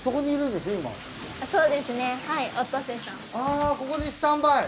あここでスタンバイ！